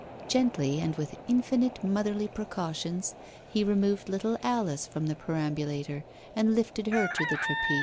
Gently, and with infinite motherly precautions, he removed little Alice from the perambulator and lifted her to the trapeze.